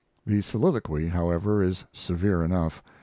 "The Soliloquy," however, is severe enough.